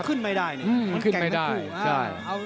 มันขึ้นไม่ได้มันแก่งไม่คู่